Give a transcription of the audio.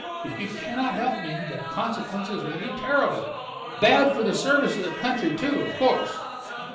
If you can not help me, the consequences will be terrible. Bad for the service of the country, too, of course."